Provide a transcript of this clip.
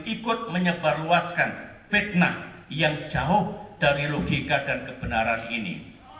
ikut menyebarluaskan fitnah yang jauh dari logika dan kebenaran ini